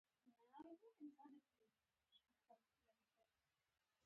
ډالر له دوران څخه ژر ووځي.